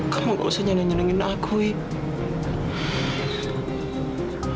kamu gak usah nyenengin aku wih